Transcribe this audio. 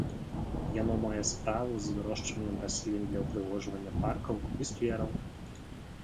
Яно мае справу з вырошчваннем раслін для ўпрыгожвання паркаў і сквераў.